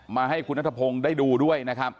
มาให้คุณนัทพงศ์ได้ดูด้วย